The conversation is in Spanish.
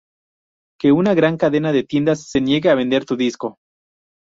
que una gran cadena de tiendas se niegue a vender tu disco